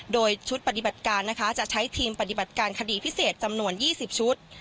โดยชุดปฏิบัติการนะคะจะใช้ทีมปฏิบัติการคดีพิเศษจำนวน๒๐ชุด